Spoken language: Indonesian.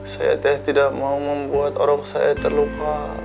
saya teh tidak mau membuat orang saya terluka